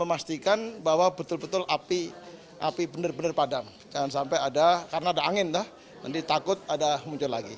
api benar benar padam jangan sampai ada karena ada angin nanti takut ada muncul lagi